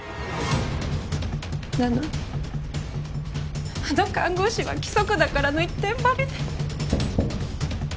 なのにあの看護師は「規則だから」の一点張りで。